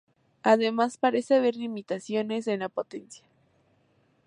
Además parece haber limitaciones en la potencia.